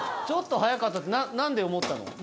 「ちょっと早かった」ってなんで思ったの？